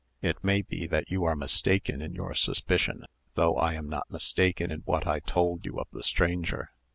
It may be that you are mistaken in your suspicion, though I am not mistaken in what I told you of the stranger.